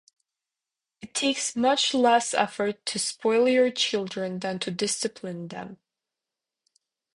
It takes much less effort to spoil your children than to discipline them.